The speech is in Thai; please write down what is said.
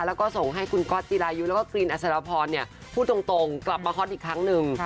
แล้วก็ส่งให้คุณก๊อตจิรายุแล้วก็กรีนอัศรพรพูดตรงกลับมาฮอตอีกครั้งหนึ่ง